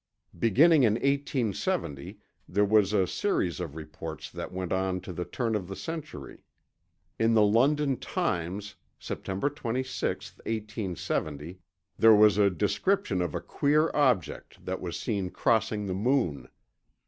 Beginning in 870, there was a series of reports that went on to the turn of the century. In the London Times, September 26, 1870, there was a description of a queer object that was seen crossing the moon.